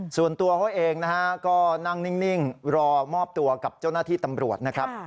ส่วนตัวเขาเองนะฮะก็นั่งนิ่งรอมอบตัวกับเจ้าหน้าที่ตำรวจนะครับ